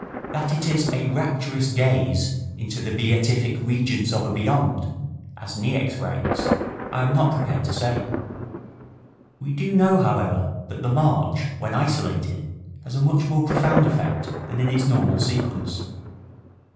That it is "a rapturous gaze into the beatific regions of a beyond," as Niecks writes, I am not prepared to say. We do know, however, that the march, when isolated, has a much more profound effect than in its normal sequence.